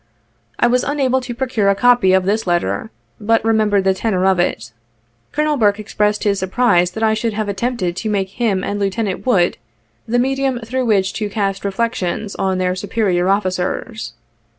I was unable to procure a copy of this letter, but remember the tenor of it. Colonel Burke expressed his surprise that I should have attempted to make him and Lieutenant Wood the medium through which to cast reflections on their superior officers.